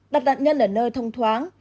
đặt nạn nhân ở nơi thông thoáng